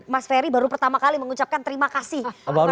mas ferry baru pertama kali mengucapkan terima kasih